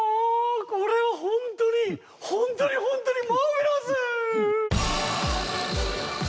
これは本当に本当に本当にマーベラス！